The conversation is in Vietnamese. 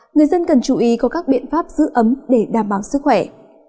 người dân cần chú ý có các biện pháp giữ ấm để đảm bảo sức khỏe